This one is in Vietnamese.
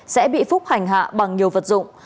sẽ bị phúc hành hạ bằng nhiều vật dụng